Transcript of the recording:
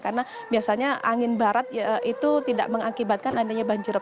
karena biasanya angin barat itu tidak mengakibatkan adanya banjirop